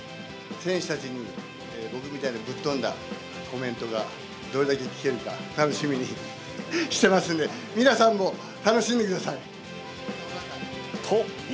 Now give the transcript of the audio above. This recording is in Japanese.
選手たちに僕みたいなぶっ飛んだコメントがどれだけ聞けるか、楽しみにしてますんで、皆さんも楽しんでください。